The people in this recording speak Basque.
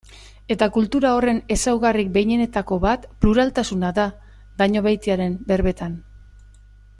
Eta kultura horren ezaugarri behinenetako bat pluraltasuna da, Dañobeitiaren berbetan.